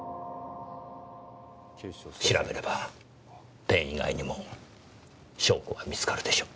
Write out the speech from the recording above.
調べればペン以外にも証拠が見つかるでしょう。